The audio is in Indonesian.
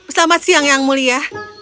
selamat siang yang mulia